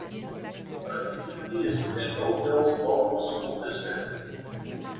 The community is within Oak Hills Local School District.